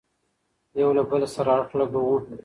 يو له بل سره ښه اړخ لګوو،